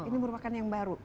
ini adalah terminal yang baru